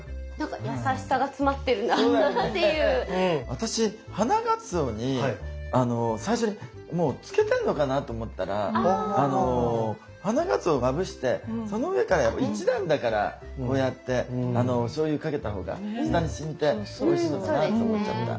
私花がつおに最初にもうつけてんかなと思ったら花がつおをまぶしてその上から１段だからこうやっておしょうゆかけた方が下にしみておいしいのかなって思っちゃった。